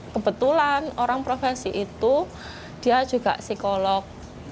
kebetulan orang profesi itu dia juga psikolog